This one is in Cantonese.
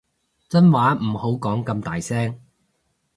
真話唔好講咁大聲